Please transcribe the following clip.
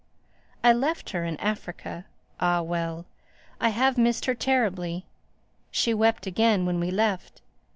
I left her in Africa—Ah well! I have missed her terribly. She wept again when we left.